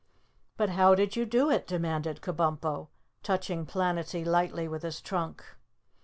"But how did you do it?" demanded Kabumpo, touching Planetty lightly with his trunk.